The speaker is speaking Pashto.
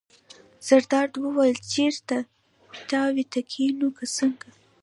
زرداد وویل: چېرته پیتاوي ته کېنو که څنګه.